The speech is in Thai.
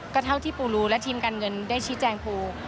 ก็เท่าที่ปูรู้และทีมการเงินได้ชี้แจงปู